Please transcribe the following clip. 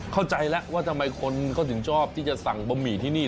เข้าใจแล้วว่าทำไมคนเขาถึงชอบที่จะสั่งบะหมี่ที่นี่